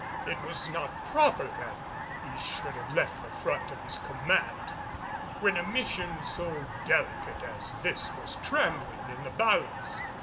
It was not proper that he should have left the front of his command when a mission so delicate as this was trembling in the balance.